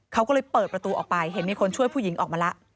เขาก็เลยเปิดประตูออกไปเห็นมีคนช่วยผู้หญิงออกมาแล้ว